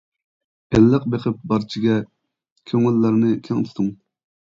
ئىللىق بېقىپ بارچىگە، كۆڭۈللەرنى كەڭ تۇتۇڭ.